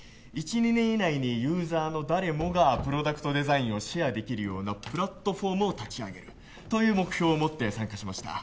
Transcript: １２年以内にユーザーの誰もがプロダクトデザインをシェアできるようなプラットフォームを立ち上げるという目標を持って参加しました